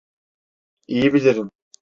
İyi bilirim.